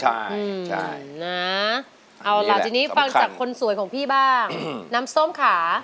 ใช่นะเอาล่ะทีนี้ฟังจากคนสวยของพี่บ้างน้ำส้มขา